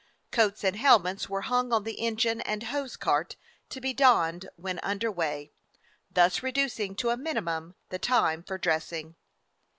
Coats and helmets were hung on the engine and hose cart, to be donned when under way, thus reducing to a minimum the time for dressing.